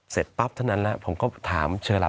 เสร็จปั๊บเท่านั้นแล้วผมก็ถามเชอหลับ